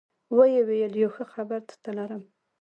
ويې ويل يو ښه خبرم درته لرم.